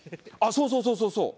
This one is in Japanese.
そうそうそうそう！